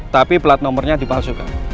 tapi plat nomernya dipalsukan